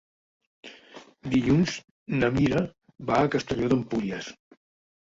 Dilluns na Mira va a Castelló d'Empúries.